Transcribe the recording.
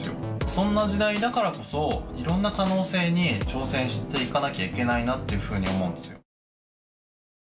「そんな時代だからこそいろんな可能性に挑戦していかなきゃいけないなっていうふうに思うんですよ」